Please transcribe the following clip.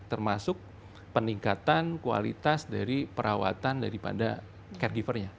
termasuk peningkatan kualitas dari perawatan daripada caregivernya